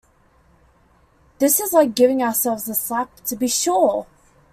This is like giving ourselves a slap, to be sure!